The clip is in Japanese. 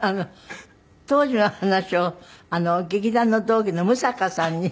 当時の話を劇団の同期の六平さんに。